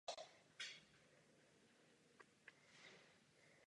Studoval na gymnáziu a na Lidové škole umění v Banské Bystrici.